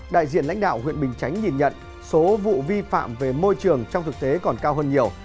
đại diện lãnh đạo huyện bình chánh nhìn nhận số vụ vi phạm về môi trường trong thực tế còn cao hơn nhiều